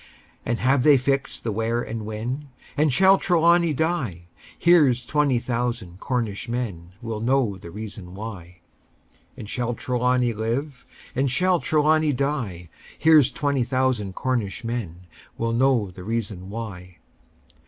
And have they fixed the where and when? And shall Trelawny die? Here's twenty thousand Cornish men Will know the reason why! And shall Trelawny live? Or shall Trelawny die? Here's twenty thousand Cornish men Will know the reason why!